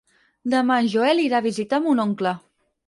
Demà en Joel irà a visitar mon oncle.